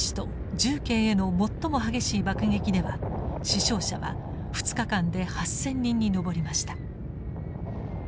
重慶への最も激しい爆撃では死傷者は２日間で８，０００人に上りました。